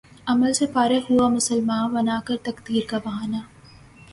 عمل سے فارغ ہوا مسلماں بنا کر تقدیر کا بہانہ